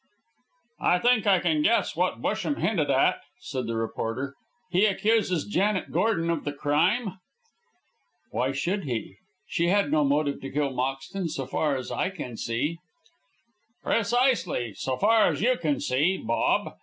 "I think I can guess what Busham hinted at," said the reporter. "He accuses Janet Gordon of the crime?" "Why should he? She had no motive to kill Moxton, so far as I can see." "Precisely, so far as you can see, Bob.